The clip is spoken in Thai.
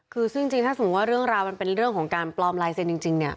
คือซึ่งจริงถ้าสมมุติว่าเรื่องราวมันเป็นเรื่องของการปลอมลายเซ็นต์จริงเนี่ย